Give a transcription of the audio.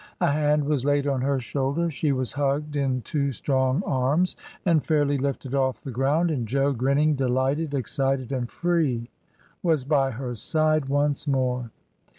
A hand was laid on her shoul der, she was hugged in two strong arms and fairly 264 MRS. DYMOND. lifted off the ground, and Jo, grinning, delighted, excited and free, was by her side once more.